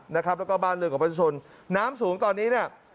และก็บ้านลึกของประชุมน้ำสูงตอนนี้